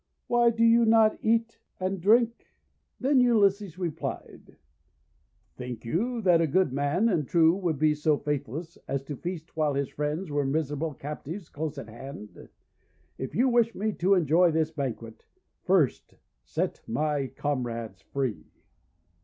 Why do you not eat and drink?' Then replied Ulysses :— "Think you that a good man and true would 396 THE WONDER GARDEN be so faithless as to feast while his friends were miserable captives close at hand? If you wish me to enjoy this banquet, first set my comrades free."